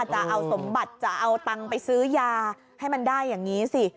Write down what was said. จะเอาสมบัติจะเอาตังค์ไปซื้อยาให้มันได้อย่างนี้สิ